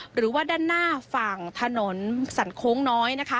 หรือว่าด้านหน้าฝั่งถนนสรรคงน้อย